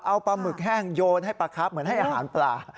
เอาปลาหมึกแห้งโยนให้ปลาครับเหมือนให้อาหารปลา